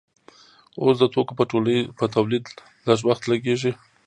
اوس د توکو په تولید لږ وخت لګیږي.